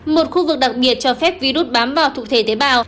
một khu vực đặc biệt cho phép virus bám vào thực thể tế bào